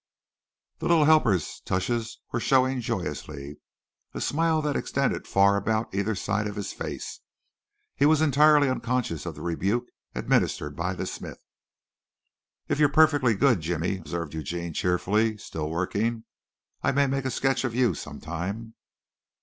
The little helper's tushes were showing joyously a smile that extended far about either side of his face. He was entirely unconscious of the rebuke administered by the smith. "If you're perfectly good, Jimmy," observed Eugene cheerfully still working, "I may make a sketch of you, sometime!"